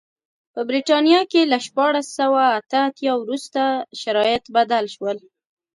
په برېټانیا کې له شپاړس سوه اته اتیا وروسته شرایط بدل شول.